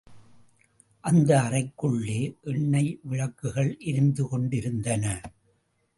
அந்த அறைகளுக்குள்ளே எண்ணெய் விளக்குகள் எரிந்து கொண்டிருந்தன.